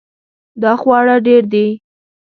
دا خواړه ډیر دي